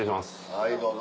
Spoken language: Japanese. はいどうぞ。